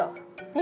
え！